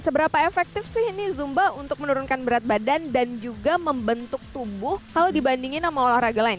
seberapa efektif sih ini zumba untuk menurunkan berat badan dan juga membentuk tubuh kalau dibandingin sama olahraga lain